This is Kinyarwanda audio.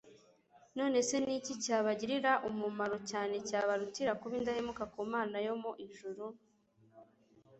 None se ni iki cyabagirira umumaro cyane cyabarutira kuba indahemuka ku Mana yo mu ijuru